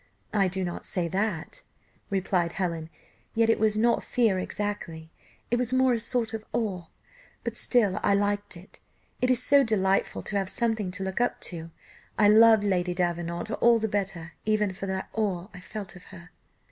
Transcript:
"I do not say that," replied Helen; "yet it was not fear exactly, it was more a sort of awe, but still I liked it. It is so delightful to have something to look up to. I love Lady Davenant all the better, even for that awe I felt of her."